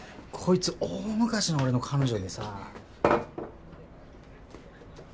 こいつ大昔の俺の彼女でさ。